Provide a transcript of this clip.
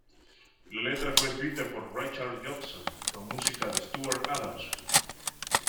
La letra fue escrita por Richard Jobson con música de Stuart Adamson.